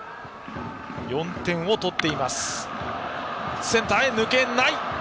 ４点を取っています。